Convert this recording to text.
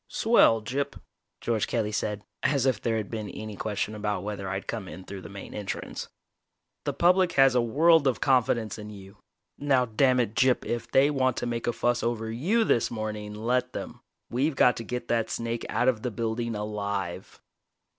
"Swell, Gyp," George Kelly said, as if there had been any question about whether I'd come in through the main entrance. "The public has a world of confidence in you. Now, damn it, Gyp, if they want to make a fuss over you this morning, let them. We've got to get that snake out of the building alive!"